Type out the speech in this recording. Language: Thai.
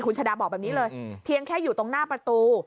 คุณชาดาบอกแบบนี้เลยเพียงแค่อยู่ตรงหน้าประตู